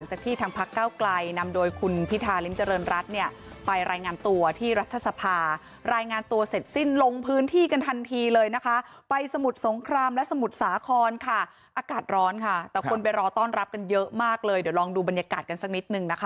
จากที่ทางพักเก้าไกลนำโดยคุณพิธาริมเจริญรัฐเนี่ยไปรายงานตัวที่รัฐสภารายงานตัวเสร็จสิ้นลงพื้นที่กันทันทีเลยนะคะไปสมุทรสงครามและสมุทรสาครค่ะอากาศร้อนค่ะแต่คนไปรอต้อนรับกันเยอะมากเลยเดี๋ยวลองดูบรรยากาศกันสักนิดนึงนะคะ